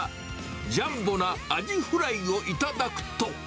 ジャンボなアジフライを頂くと。